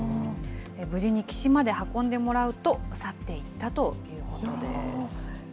無事に岸まで運んでもらうと、去っていったということです。